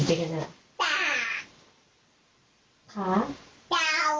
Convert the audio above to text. พี่กลัวไหม